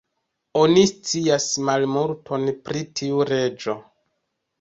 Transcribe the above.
Oni scias malmulton pri tiu reĝo.